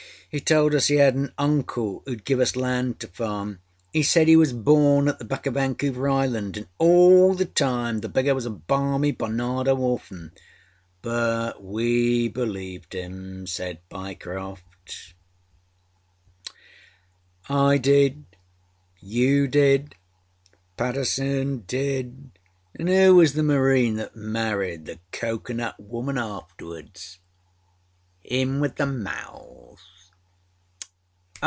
He told us he had an uncle âooâd give us land to farm. âE said he was born at the back oâ Vancouver Island, and all the time the beggar was a balmy Barnado Orphan!â â_But_ we believed him,â said Pyecroft. âI didâyou didâPaterson didâanâ âoo was the Marine that married the cocoanut woman afterwardsâhim with the mouth?